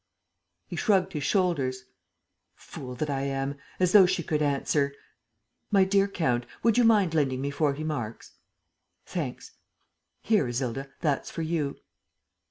..." He shrugged his shoulders. "Fool that I am! As though she could answer! ... My dear count, would you mind lending me forty marks? ... Thanks ... Here, Isilda, that's for you."